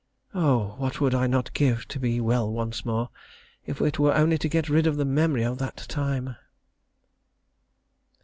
Oh! what would I not give to be well once more, if it were only to get rid of the memory of that time.